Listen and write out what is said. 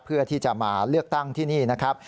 เพื่อที่จะมาเลือกตั้งที่นี่นะครับ